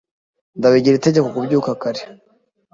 Ndabigira itegeko kubyuka kare.